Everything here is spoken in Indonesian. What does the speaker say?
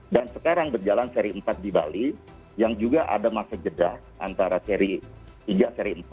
dan sekarang berjalan seri empat di bali yang juga ada masa jeda antara seri tiga seri empat